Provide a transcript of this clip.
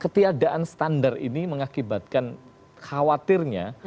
ketiadaan standar ini mengakibatkan khawatirnya